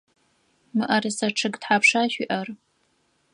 Мыӏэрысэ чъыг тхьапша шъуиӏэр?